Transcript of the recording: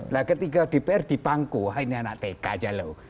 nah ketika di pr dipangku ini anak tk aja lho